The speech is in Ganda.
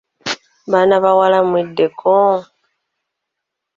Baana bawala mweddeko!